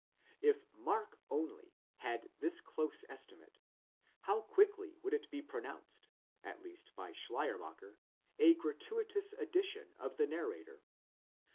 If Mark only had this close estimate, how quickly would it be pronounced, at least by Schleiermacher, a gratuitous addition of the narrator!